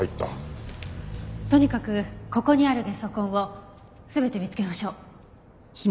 とにかくここにあるゲソ痕を全て見つけましょう。